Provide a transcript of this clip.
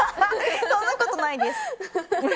そんなことないです。